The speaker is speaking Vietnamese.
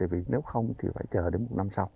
vì nếu không thì phải chờ đến một năm sau